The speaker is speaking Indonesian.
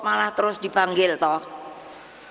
malah terus dipanggil toh